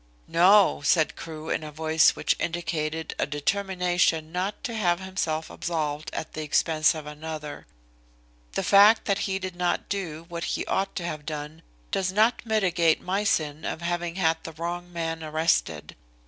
"No," said Crewe in a voice which indicated a determination not to have himself absolved at the expense of another. "The fact that he did not do what he ought to have done does not mitigate my sin of having had the wrong man arrested.